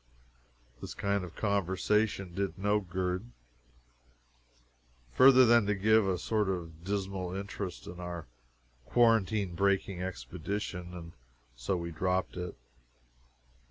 This kind of conversation did no good, further than to give a sort of dismal interest to our quarantine breaking expedition, and so we dropped it.